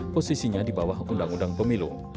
posisinya di bawah undang undang pemilu